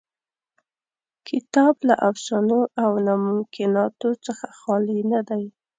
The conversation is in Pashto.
کتاب له افسانو او ناممکناتو څخه خالي نه دی.